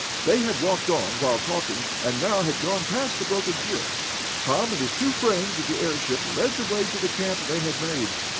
They had walked on, while talking, and now had gone past the broken cliff. Tom and his two friends of the airship led the way to the camp they had made.